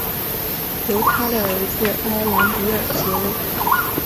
由他的儿子埃兰迪尔接位。